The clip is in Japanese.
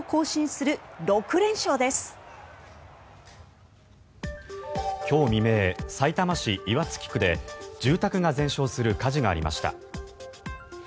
さいたま市岩槻区で住宅が全焼する火事がありました。